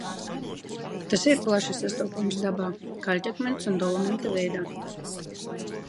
Tas ir plaši sastopams dabā, kaļķakmens un dolomīta veidā.